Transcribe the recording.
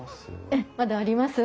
ええまだあります。